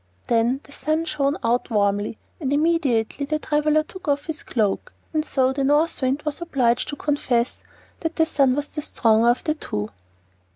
Then the Sun shined out warmly, and immediately the traveler took off his cloak. And so the North Wind was obliged to confess that the Sun was the stronger of the two.